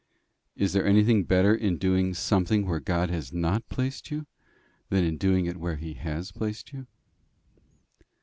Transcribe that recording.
"Is there anything better in doing something where God has not placed you, than in doing it where he has placed you?"